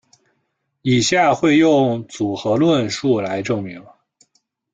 以下会用组合论述来证明。